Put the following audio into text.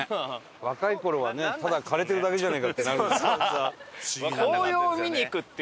若い頃はねただ枯れてるだけじゃねえかってなる。